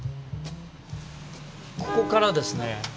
ここからですね